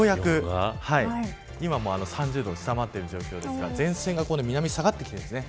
今３０度を下回っている状況ですが前線が南に下がってきています。